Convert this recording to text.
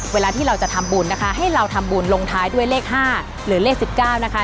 เวลาที่เราจะทำบุญนะคะให้เราทำบุญลงท้ายด้วยเลข๕หรือเลข๑๙นะคะ